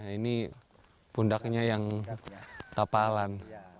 ini pundaknya yang kapalan